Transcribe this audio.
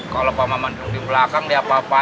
kalau pak maman duduk di belakang dia apa apa